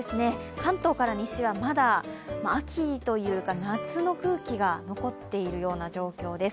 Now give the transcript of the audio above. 関東から西は秋というか、夏の空気が残っているような状況です。